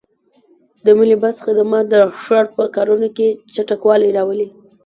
د ملي بس خدمات د ښار په کارونو کې چټکوالی راولي.